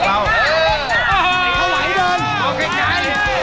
เค้าไหวเวินต่อกันไกล